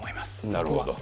なるほど。